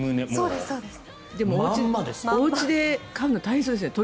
でもおうちで飼うの大変そう。